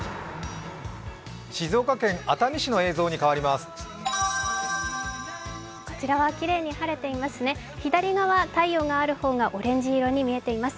静岡県熱海市の映像に変わります。